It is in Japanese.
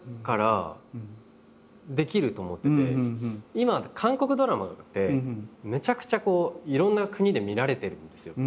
今韓国ドラマってめちゃくちゃいろんな国で見られてるんですよ。